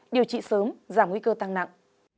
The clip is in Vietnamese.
điều trị sớm giảm nguy cơ tăng nặng